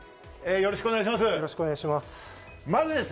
よろしくお願いします。